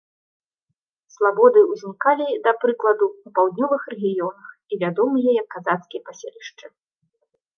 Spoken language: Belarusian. Слабоды ўзнікалі, да прыкладу, у паўднёвых рэгіёнах і вядомыя як казацкія паселішчы.